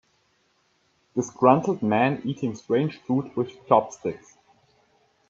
Disgruntled man eating strange food with chopsticks.